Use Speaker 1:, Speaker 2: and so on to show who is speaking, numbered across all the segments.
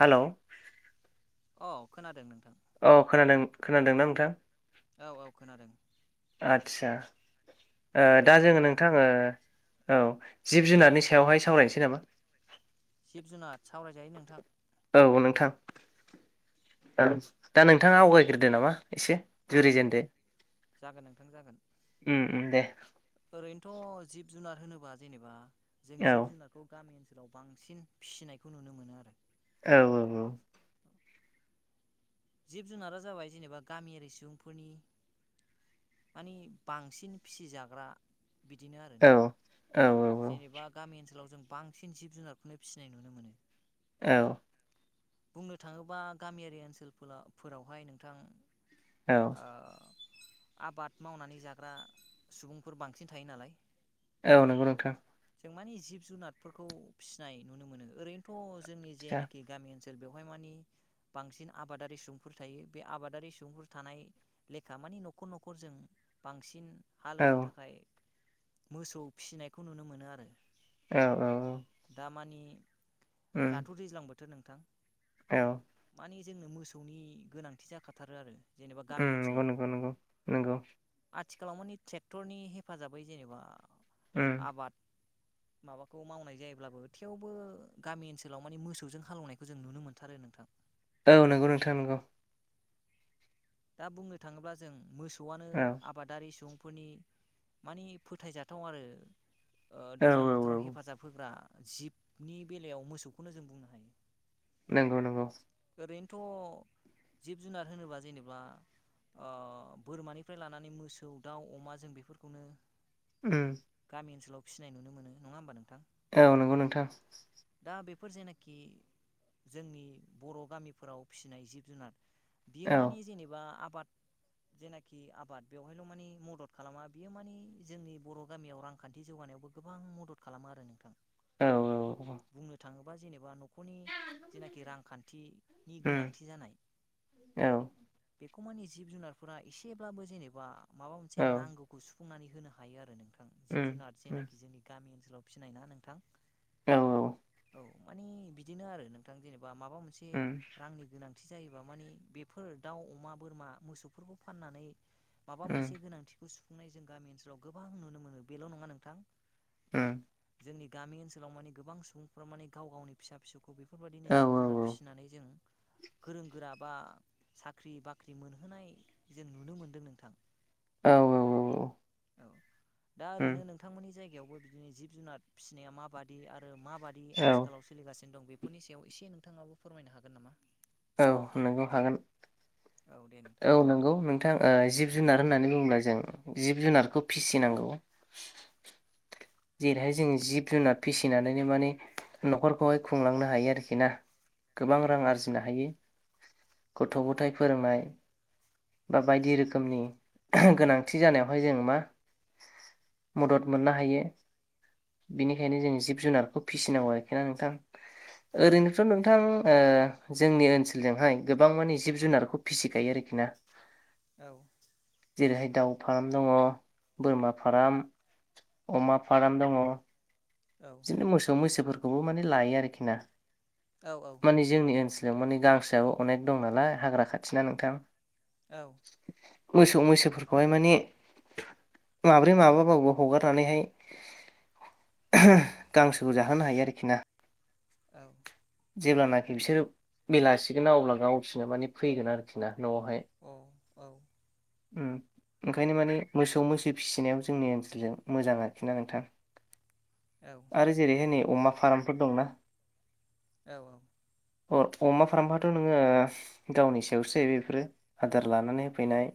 Speaker 1: हेल'?
Speaker 2: अ खोनादों नोंथांं?
Speaker 1: औ खोनादों खोनादों ना नोंथां?
Speaker 2: औ औ खोनादों।
Speaker 1: आदसा दा
Speaker 2: देलाय
Speaker 1: जोङो
Speaker 2: बुंलाय
Speaker 1: नोंथां ओ औ जिब जुनारनि सायावहाय सावरायनोसै नामा?
Speaker 2: जिब जुनार सावरायजायो नोंथां।
Speaker 1: औ नोंथां दा नों नोंथाङा आवगायग्रोदो नामा एसे
Speaker 2: औ
Speaker 1: जुरिजेनदो
Speaker 2: जागोन नोंथां जागोन
Speaker 1: उम उम दे।
Speaker 2: ओरैनोथ' जिब जुनार होनोबा जेनेबा जों
Speaker 1: औ
Speaker 2: जिब जुनारखौ गामि ओनसोलाव बांसिन फिसिनायखौ नुनो मोनो आरो।
Speaker 1: औ औ औ
Speaker 2: जिब जुनारा जाबाय जेनेबा गामियारि सुबुंफोरनि मानि बांसिन फिसिजाग्रा बिदिनो आरो
Speaker 1: औ
Speaker 2: नोंथां।
Speaker 1: औ
Speaker 2: जेनेबा गामि ओनसोलाव जों बांसिन जिब जुनारखौनो फिसिनाय नुनो मोनो।
Speaker 1: औ
Speaker 2: बुंनो थाङोबा गामियारि ओनसोलफोर फोरावहाय
Speaker 1: औ
Speaker 2: नोंथां। आबाद मावनानै जाग्रा सुबुंफोर बांसिन थायो नालाय
Speaker 1: औ नंगौ नोंथां।
Speaker 2: जों मानि जिब जुनारफोरखौ फिसिनाय नुनो मोनो ओरैनोथ' जोंनि
Speaker 1: आदसा
Speaker 2: जेनाखि गामि ओनसोल बेवहाय मानि बांसिन आबादारि सुबुंफोर थायो बे आबादारि सुबुंफोर थानाय लेखा मानि न'खर न'खरजों बांसिन
Speaker 1: औ
Speaker 2: हालौनो थाखाय मोसौ फिसिनायखौ नुनो मोनो आरो।
Speaker 1: औ औ औ।
Speaker 2: दामानि
Speaker 1: उम
Speaker 2: दाथ' दैज्लां बोथोर नोंथां?
Speaker 1: औ।
Speaker 2: मानि जोंनो मोसौनि गोनांथि जाखाथारो आरो जेनेबा
Speaker 1: उम
Speaker 2: गामि
Speaker 1: नंगौ
Speaker 2: ओनसोलाव।
Speaker 1: नंगौ नंगौ नंगौ
Speaker 2: आथिखालाव मानि ट्रेक्टरनि हेफाजाबै जेनेबा
Speaker 1: उम
Speaker 2: आबाद। माबाखौ मावनाय जायोब्लाबो थेवबो गामि ओनसोलाव मानि मोसौजों हालौनायखौ जों नुनो मोनथारो नोंथां।
Speaker 1: औ नंगौ नोंथां नंगौ।
Speaker 2: दा बुंनो थाङोब्ला जों मोसौआनो
Speaker 1: औ
Speaker 2: आब बादारि सुबुंफोरनि मानि फोथायजाथाव आरो ओ
Speaker 1: औ
Speaker 2: दैज्लां
Speaker 1: औ औ
Speaker 2: बोथोराव हेब हेफाजाब होग्रा जिबनि बेलायाव मोसौखौनो जों बुंनो हायो।
Speaker 1: नोंगौ नोंगौ।
Speaker 2: ओरैनोथ' जिब जुनार होनोब्ला जेने बा ओ बोरमानिफ्राय लानानै मोसौ दाउ अमा जों बेफोरखौनो।
Speaker 1: उम।
Speaker 2: गामि ओनसोलाव फिनाय नुनो मोनो नङा होमबा नोंथां?
Speaker 1: औ नंगौ नोंथां।
Speaker 2: दा बेफोर जेनाखि। जोंनि बर' गामिफोराव फिसिनाय जिब जुनार बियो
Speaker 1: औ
Speaker 2: मानि जेनेबा आबाद। जेनाखि आबाद बेवहायल' मानि मदद खालामा बियो मान जोंनि बर' गामियाव रांखान्थि जौगानायावबो। गोबां मदद खालामो आरो नोंथां
Speaker 1: औ औ
Speaker 2: बुंनो थाङोबा जेनेबा न'खरनि जेनाखि रांखान्थिनि
Speaker 1: औ
Speaker 2: गोनांथि जानाय।
Speaker 1: औ।
Speaker 2: बेखौ मानि जिब जुनारफोरा एसेब्लाबो जेनेबा माबा
Speaker 1: औ
Speaker 2: मोनसे नांगौ। खौ सुफुंनानै होनो हायो आरो नोंथां जिब जुनार जेनाखि जोंनि गामि ओनसोलाव फिनायना नोंथां।
Speaker 1: औ औ।
Speaker 2: मानि बिदिनो आरो नोंथां जेनेबा माबा मोनसे रांनि गोनांथि जायोबा मानि बे फोर दाउ अमा बोरमा मोसौफोरखौ फाननानै माबा मोनसे गोनांथि बेखौ सुफुंनाय जों गामि ओनसोलाव गोबां नुनो मोनो बेल' नङा नोंथां
Speaker 1: उम
Speaker 2: जोंनि गामि ओनसोलाव माने गोबां सुबुंफोरा माने गाव गावनि फिसा फिसौखौ बेफोरबायदिनो जिब जुनार फिसिनानै जों गोरों गोरा बा। साख्रि बाख्रि मोनहोनाय जों नुनो मोनदों नोंथां।
Speaker 1: औ औ।
Speaker 2: औ दा ओरैनो नों। नोंथांमोननि जायगायावबो बिदिनो जिब जुनार फिसिनाया माबादि आरो माबादि
Speaker 1: औ
Speaker 2: आथिखालाव। सोलिगासिनो दं बेफोरनि सायाव एसे नोंथाङाबो फोरमायनो हागोन नामा?
Speaker 1: औ नोंगौ हागोन
Speaker 2: औ दे नोंथां
Speaker 1: औ नंगौ नों नोंथां जिब जुनार होननानै बुङोब्ला जों जिब जुनारखौ फिसिनांगौ जेरैहाय जोङो जिब जुनाद फिसिनानैनो माने न'खरखौहाय खुंलांनो हायो आरोखि ना। गोबां रां
Speaker 2: औ
Speaker 1: आरजिनो हायो गथ' गथाय फोरोंनाय बा बायदि रोखोमनि गोनांथि जानायावहाय जों मा मदद मोननो हायो। बिनिखायनो जों जिब जुनारखौ फिसिनांगौ आरोखि ना नोंथां
Speaker 2: औ
Speaker 1: ओरैनोथ' नोंथां ओ जोंनि ओनसोलजोंहाय गोबां माने जिब जुनारखौ फिसिखायो आरोखि ना।
Speaker 2: औ।
Speaker 1: जेरैहाय दाउ फार्म दङ बोरमा फार्म अमा फार्म दङ।
Speaker 2: औ।
Speaker 1: मोसौ मैसोफोरखौबो माने लायो आरोखि ना
Speaker 2: औ औ
Speaker 1: मानि जोंनि ओनसोलाव मानि गांसोआब अनेक दं नालाय हाग्रा खाथिना नोंथां
Speaker 2: औ
Speaker 1: मोसौ मैसोफोरखौहाय माने माब्रै माबाबाबो हगारनानैहाय गांसोबो जाहोनो हायो आरोखि ना
Speaker 2: औ
Speaker 1: जेब्लानाखि बिसोरो बेलासिगोन ना अब्ला गावसिनो माने फैगोन आरोखि ना न'आवहाय
Speaker 2: अ औ
Speaker 1: उम ओंखायनो माने मोसौ मैसो फिसिनायाबो जोंनि ओनसोलजों मोजां आरोखि ना नोंथां। [unintelligible]
Speaker 2: औ
Speaker 1: आरो जेरैहाय नै अमा फारामफोर दंना
Speaker 2: औ औ
Speaker 1: अ अमा फारामफ्राथ' नोङो गावनि सायावसो जाहैबाय बेफोरो आदार लानानै होफैनाय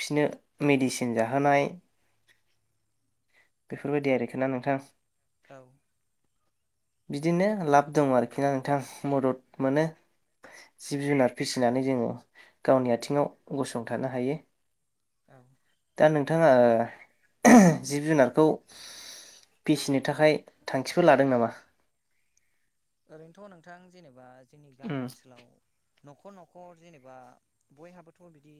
Speaker 1: बिसिनो मेडिसिन जाहोनाय बेफोर बायदि आरोखि ना नोंथां
Speaker 2: औ
Speaker 1: बिदिनो लाब दं आरोखि ना नोंथां मदद मोनो जिब जुनार फिसिनानै जोङो गावनि आथिङाव गसंथानो हायो।
Speaker 2: औ
Speaker 1: दा नोंथाङा ओ जिब जुनारखौ फिसिनो थाखाय थांखिफोर लादों नामा
Speaker 2: ओरैनथ' नोंथां जेनेबा जोंनि गामि
Speaker 1: उम
Speaker 2: ओनसोलाव न'खर न'खर जेनेबा बयहाबोथ' बिदि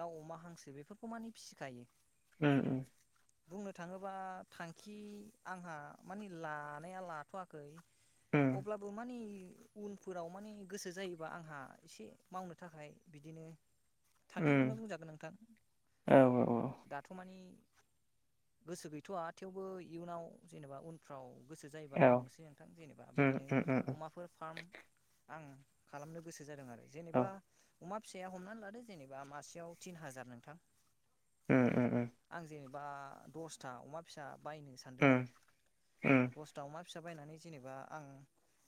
Speaker 2: दाउ अमा हांसो बेफोरखौ माने फिसिखायो
Speaker 1: उम उम
Speaker 2: बुंनो थाङोबा थांखि आंहा मानि लानाया लाथ'वाखै
Speaker 1: उम
Speaker 2: अब्लाबो मानि उनफोराव माने गोसो जायोबा आंहा एसे मावनो थाखाय बिदिनो
Speaker 1: [unintelligible]
Speaker 2: थांखिखौनो बुंजागोन नोंथां।
Speaker 1: औ
Speaker 2: दाथ' मानि गोसो गैथ'वा थेवबो इयुनाव जेनेबा उन फ्राव गोसो जायोबा
Speaker 1: औ
Speaker 2: मावनोसै नोंथां जेनेबा बिद
Speaker 1: उम उम उम
Speaker 2: अमाफोर फार्म आं खालामनो गोसो जादों आरो
Speaker 1: औ
Speaker 2: जेनेबा अमा फिसाया हमनान लादो जेनेबा मासेयाव तिन हाजार नोंथां
Speaker 1: उम उम उम
Speaker 2: आं जेनेब बा दसथा अमा फिसा बायनो सानदों
Speaker 1: उम
Speaker 2: आरो
Speaker 1: उम
Speaker 2: दस दाउमा फिसा बायनानै जेनेबा आं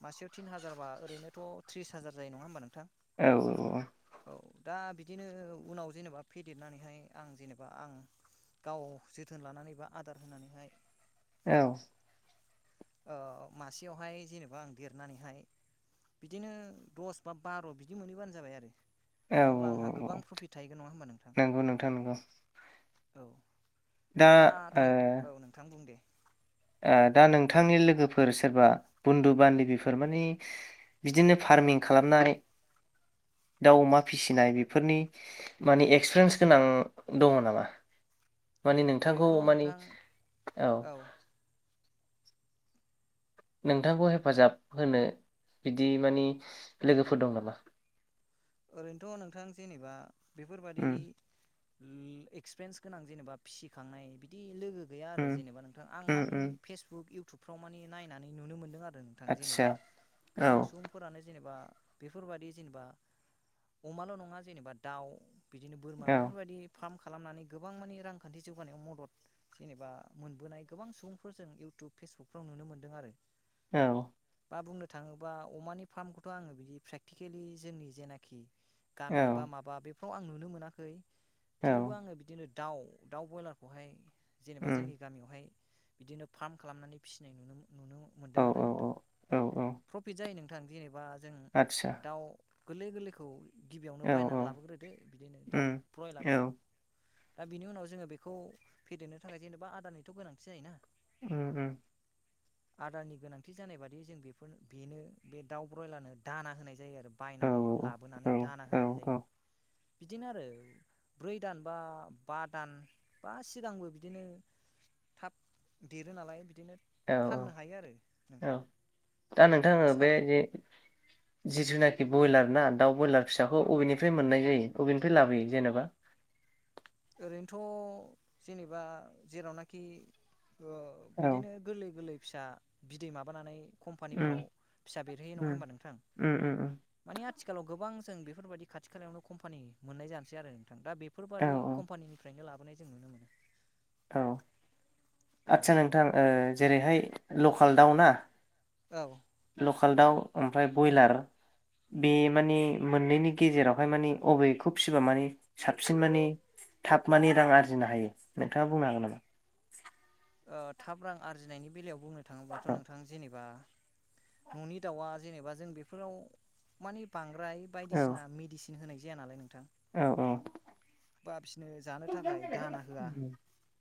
Speaker 2: मासेयाव थिन हाजारबा ओरैनोथ' थ्रिस हाजार जायो नङा होमबा नोंथां
Speaker 1: औ ओ ओ
Speaker 2: औ दा बिदिनो उनाव जेनेबा फेदेरनानैहाय आं जेनेबा आं गाव जोथोन लानानै बा आदार होनानैहाय
Speaker 1: औ
Speaker 2: ओ मासेयावहाय जेनेब बा आं देरनानैहाय बिदिनो दस बा बार' बिदि मोनहैबानो जाबाय आरो
Speaker 1: औ
Speaker 2: अब्ला आंहा गोबां
Speaker 1: औ
Speaker 2: प्रफिट थाहैगोन नङा होमबा नोंथां
Speaker 1: नंगौ नोंथां नंगौ
Speaker 2: औ। दा
Speaker 1: ओ
Speaker 2: थां औ नोंथां बुं दे
Speaker 1: ओ दा नोंथांनि लोगोफोर सोरबा बुन्दु बान्दिबिफोर मानि बिदिनो फार्मिं खालामनाय दाउ अमा फिसिनाय बेफोरनि माने एक्सपिरियेन्स गोनां दङ नामा मानि नोंथांखौ
Speaker 2: ओरैनोथ'
Speaker 1: मानि
Speaker 2: नोंथां
Speaker 1: औ नोंथांखौ हेफाजाब होनो बिदि मानि लोगोफोर दं नामा?
Speaker 2: ओरैनोथ' नोंथां जेनेबा बेफोरबादि
Speaker 1: उम
Speaker 2: एक्सपिरिन्स गोनां जेनेबा फिसिखांनाय बिदि लोगो गैया आरो
Speaker 1: उम
Speaker 2: जेनेबा नोंथां आं
Speaker 1: उम
Speaker 2: मानि
Speaker 1: उम
Speaker 2: फेसबुक इउटुबफ्राव मानि नायनानै नुनो मोनदों आरो थां
Speaker 1: आदसा
Speaker 2: जेनेबा
Speaker 1: औ
Speaker 2: गोबां सुबुंफोरानो जेनेबा बेफोरबादि जेनेबा अमाल' नङा जेनेबा दाउ बिदिनो बोरमा
Speaker 1: औ
Speaker 2: बेफोरबायदि फार्म खालामनानै गोबां मानि रांखान्थि जौगानायाव मदद जेनेबा मोनबोनाय गोबां सुबुंफोर जों इउटुब फेसबुकफ्राव नुनो मोनदों आरो
Speaker 1: औ
Speaker 2: बा बुंनो थाङोबा अमानि फार्मखौथ' आङो बिदि प्रेकटिकेलि जोंनि जेनाखि
Speaker 1: औ
Speaker 2: गामि बा माबा बेफ्राव आं नुनो मोनाखै
Speaker 1: औ
Speaker 2: थेवबो आङो बिदिनो दाउ दाउ ब्रयलारखौहाय जेनेबा
Speaker 1: उम
Speaker 2: जोंनि गामियावहाय बिदिनो फार्म खालामनानै फिसिनाय नुनो
Speaker 1: औ
Speaker 2: मोनदों आरो नोंथां
Speaker 1: औ औ औ
Speaker 2: प्रफिट जायो नों थां जेनेबा जों
Speaker 1: आदसा
Speaker 2: दाउ गोरलै गोरलैखौ गिबियावनो
Speaker 1: औ औ
Speaker 2: बायनानै लाबोग्रोदो बिदिनो दाउ
Speaker 1: उम औ
Speaker 2: ब्रयलारखौ दा बिनि उनाव जोङो बेखौ फेदेरनो थाखाय जेनेबा आदारानिथ' गोनांथि जायोना
Speaker 1: उम उम
Speaker 2: आदारनि गोनांथि जानाय बादि जों बेफोरनो बेनो बे दाउ ब्रयलारनो दाना होनाय जायो आरो बाय
Speaker 1: औ औ
Speaker 2: लाबोनानै दाना
Speaker 1: औ
Speaker 2: होनाय जायो। बिदिनो आरो ब्रै दान बा बा दान बा सिगांबो बिदिनो थाब देरो नालाय बिदिनो
Speaker 1: औ
Speaker 2: फाननो हायो आरो
Speaker 1: औ औ
Speaker 2: नोंथां
Speaker 1: दा नोंथा आङो बे जे जि जुनादनि बयलार ना दाउ ब्रयलार फिसाखौ अबेननिफ्राय मोननाय जायो अबेननिफ्राय लाबोयो जेनेबा?
Speaker 2: ओरैनोथ' जेनेबा जेरावनाखि ओ
Speaker 1: औ
Speaker 2: बिदिनो गोरलै गोरलै फिसा बिदै माबानानै
Speaker 1: उम
Speaker 2: कम्पानिफ्राव फिसा बेरहैयो नङा
Speaker 1: उम
Speaker 2: होमबा नोंथां?
Speaker 1: उम उम
Speaker 2: मानि आथिखालाव गोबां जों बेफोरबायाददि खाथि खालायावनो कम्पानि मोननाय जानोसै आरो नोंथां दा
Speaker 1: औ
Speaker 2: बेफोरबादि कम्पानिनि फ्रायनो लाबोनाय जों नुनो मोनो।
Speaker 1: औ
Speaker 2: औ
Speaker 1: आदसा नोंथां जेरैहाय लकाल दाउ ना
Speaker 2: औ
Speaker 1: लकेल दाउ ओमफ्राय ब्रयलार बे माने मोननैनि गेजेरावहाय माने अबेखौ फिसिबा माने साबसिन माने थाब माने रां आरजिनो हायो नोंथाङा बुंनो हागोन नामा?
Speaker 2: थाब रां आरजिनायनि बेलायाव बुंनो थाङोब्लाथ'
Speaker 1: औ
Speaker 2: नोंथा थां जेनेबा न'नि दाउआ जेनेबा जों बेफोराव मानि बांद्राय
Speaker 1: औ
Speaker 2: बायदिसिना मेडिसिन होनाय जाया नालाय नोंथां
Speaker 1: औ औ
Speaker 2: बा फिनो जानो थाखाय दाना होआ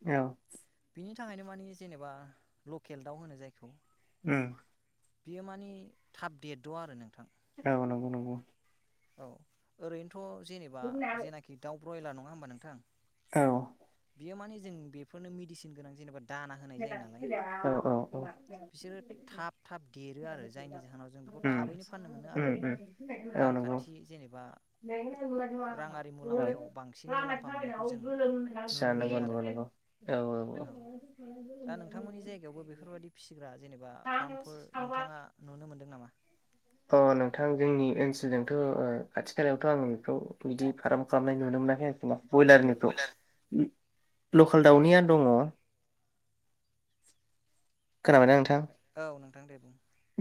Speaker 1: औ
Speaker 2: बिनि थाखायनो मानि जेनेबा लकेल दाउ होनो जायखौ
Speaker 1: उम
Speaker 2: बियो मानि थाब डेट द' आरो नोंथां
Speaker 1: औ नंगौ नंगौ
Speaker 2: औ ओरैनोथ' जेनेबा जेनाखि दाउ ब्रयलार नङा होमबा नोंथां?
Speaker 1: औ
Speaker 2: बियो माने जों बेफोरनो मेडिसिन गोनां जेनेबा दाना होनाय जायो नालाय
Speaker 1: औ औ
Speaker 2: बिसोरो थाब थाब देरो आरो जायनि जाहोनाव जों बिखौ
Speaker 1: उम
Speaker 2: थाबैनो फाननो मोनो
Speaker 1: उम
Speaker 2: आरो
Speaker 1: उम औ नंगौ
Speaker 2: रांखान्थि जेनेबा राङारि मुलाम्फायाव बांसिन मुलाम्फा मोननायखौ जों नुनो मोनो आरो
Speaker 1: [unintelligible] औ औ औ।
Speaker 2: दा नोंथांमोननि जायगायावबो बेफोरबायदि फिसिग्रा जेनेबा फार्मफोर नोंथांङा नुनो मोनदों नामा?
Speaker 1: अ नोंथां जोंनि ओनसोलजोंथ' खाथि खालायावथ' आं बेखौ बिदि फाराम खालामनाय नुनो मोनाखै आरोखि ब्रयलारनिखौ
Speaker 2: बयलार
Speaker 1: लकेल
Speaker 2: औ
Speaker 1: दाउनिया दङ। खोनाबाय ना नोंथां?
Speaker 2: औ नोंथां दे बुं।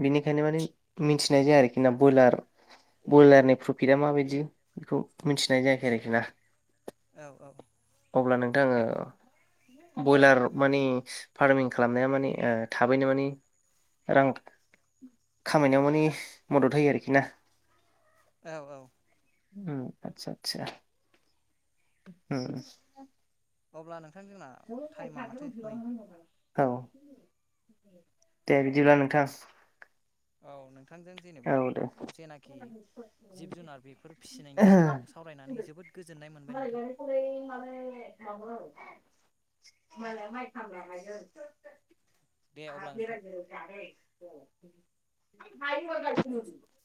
Speaker 1: बिनिखायनो माने मिथिनाय जाया आरोखि ना बयलार बयलारनि प्रफिटा माबायदि बेखौ मिथिनाय जायाखै आरोखि ना।
Speaker 2: औ औ‌
Speaker 1: अब्ला नोंथां आंङो ब्रयलार मानि फार्मिं खालामनाया माने ओ थाबैनो माने रां खामायनायाव माने मदद होयो आरोखि ना।
Speaker 2: औ औ।
Speaker 1: उम आतसा आतसा उम
Speaker 2: अब्ला नोंथां जोंना
Speaker 1: [unintelligible]
Speaker 2: टाइमा माथो नै
Speaker 1: औ दे बिदिब्ला नोंथां।
Speaker 2: औ नोंथांजों जेनेबा
Speaker 1: औ
Speaker 2: जेनाखि जिब जुनार बेफोर फिसिनायनि
Speaker 1: दे
Speaker 2: सायाव सावरायनानै जोबोद गोजोननाय मोनबाय नोंथां।
Speaker 1: [unintelligible]
Speaker 2: दे अब्ला नोंथां
Speaker 1: [unintelligible]